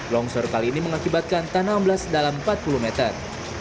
longsor kali ini mengakibatkan tanah amblas dalam empat puluh meter